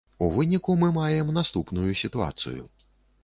У выніку мы маем наступную сітуацыю.